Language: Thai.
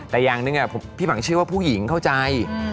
แต่อย่างหนึ่งพี่หมังเชื่อว่าผู้หญิงเข้าใจ